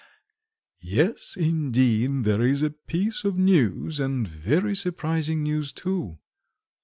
yes, indeed, there is a piece of news, and very surprising news too.